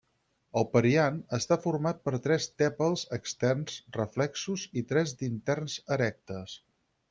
El periant està format per tres tèpals externs reflexos i tres d'interns erectes.